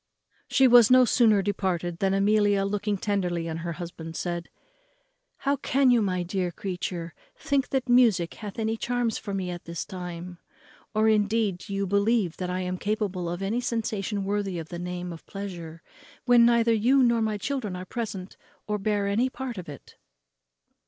She was no sooner departed than Amelia, looking tenderly on her husband, said, "How can you, my dear creature, think that music hath any charms for me at this time? or, indeed, do you believe that I am capable of any sensation worthy the name of pleasure when neither you nor my children are present or bear any part of it?"